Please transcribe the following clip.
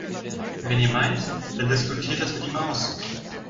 Wenn ihr meint, dann diskutiert das mit ihm aus!